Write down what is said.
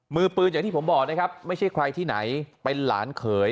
มือปืนอย่างที่ผมบอกนะครับไม่ใช่ใครที่ไหนเป็นหลานเขย